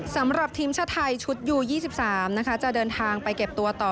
สำหรับทีมชาติไทยชุดยู๒๓นะคะจะเดินทางไปเก็บตัวต่อ